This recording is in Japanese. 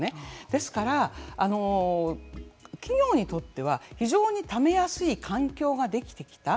ですから、企業にとっては非常にためやすい環境ができてきた。